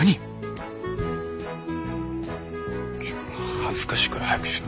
恥ずかしいから早くしろ。